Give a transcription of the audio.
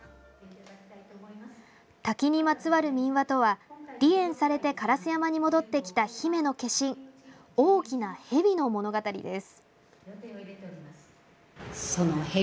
滝にまつわる民話とは離縁されて烏山に戻ってきた姫の化身、大きな蛇の物語です。